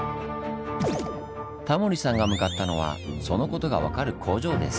タモリさんが向かったのはそのことが分かる工場です。